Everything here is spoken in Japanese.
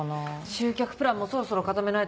集客プランもそろそろ固めないとだよね。